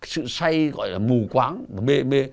sự say gọi là mù quáng mê mùi